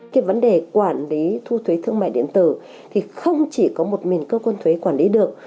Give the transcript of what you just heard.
cái vấn đề quản lý thu thuế thương mại điện tử thì không chỉ có một mình cơ quan thuế quản lý được